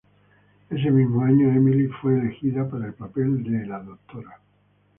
Ese mismo año Emily fue elegida para el papel del "Dra.